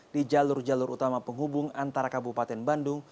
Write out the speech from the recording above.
di jalur jalur utama penghubung antara kabupaten bandung